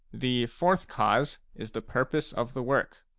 The " fourth cause " is the purpose of the work.